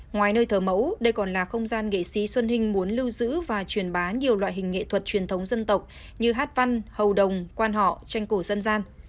ngoài nơi thờ mẫu đây còn là không gian nghệ sĩ xuân hinh muốn lưu giữ và truyền bá nhiều loại hình nghệ thuật truyền thống dân tộc như hát văn hầu đồng quan họ tranh cổ dân gian